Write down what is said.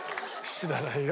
知らないよ。